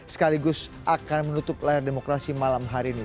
sekaligus akan menutup layar demokrasi malam hari ini